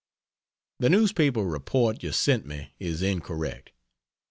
The newspaper report you sent me is incorrect.